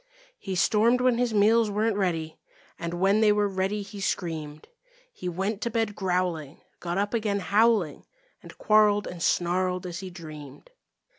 He stormed when his meals weren't ready, And when they were ready, he screamed. He went to bed growling, got up again howling And quarreled and snarled as he dreamed.